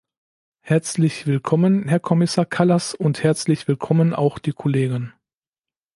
Herzlich willkommen, Herr Kommissar Kallas, und herzlich willkommen auch die Kollegen!